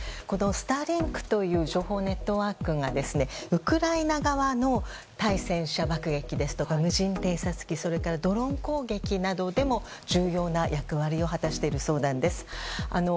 このスターリンクという情報ネットワークがウクライナ側の対戦車爆撃ですとか無人偵察機ドローン攻撃などでも重要な役割を果たしているそうなんです。